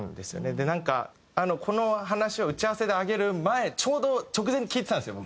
でなんかこの話を打ち合わせで挙げる前ちょうど直前に聴いてたんですよ